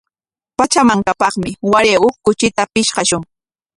Pachamankapaqmi waray huk kuchita pishqashun.